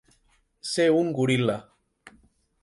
Ser un goril·la.